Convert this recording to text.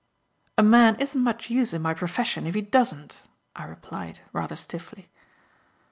"A man isn't much use in my profession if he doesn't," I replied, rather stiffly.